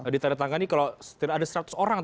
diteritakan ini kalau ada seratus orang